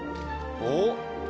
おっ？